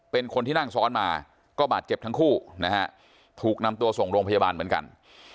เป็นคนที่นั่งซ้อนมาก็บาดเจ็บทั้งคู่นะฮะถูกนำตัวส่งโรงพยาบาลเหมือนกัน